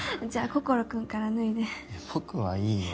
心君から脱いで僕はいいよ